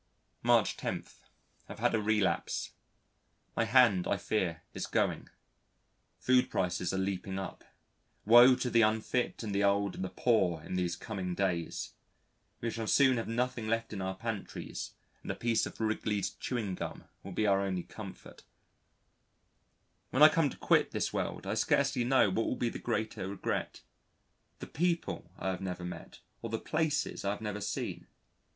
March 10. Have had a relapse. My hand I fear is going. Food prices are leaping up. Woe to the unfit and the old and the poor in these coming days! We shall soon have nothing left in our pantries, and a piece of Wrigley's chewing gum will be our only comfort. When I come to quit this world I scarcely know which will be the greater regret: the people I have never met, or the places I have never seen.